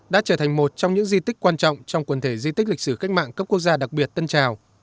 đã trở thành một trong những di tích quan trọng trong quần thể di tích lịch sử cách mạng cấp quốc gia đặc biệt tân trào